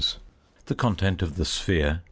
the content of the sphere